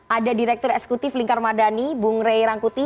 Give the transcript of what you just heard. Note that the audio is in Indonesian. ada direktur eksekutif lingkar madani bung rey rangkuti